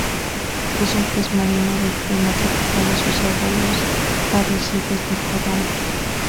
Es un pez marino de clima tropical asociado a los arrecifes de coral.